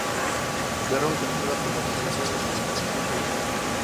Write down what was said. El arma utilizada para el asesinato es un cuchillo Kris.